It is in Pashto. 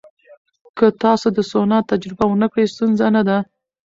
که تاسو د سونا تجربه ونه کړئ، ستونزه نه ده.